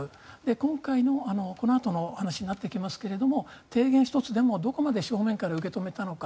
今回のこのあとの話になってきますけれども提言１つでも、どこまで正面から受け止めたのか。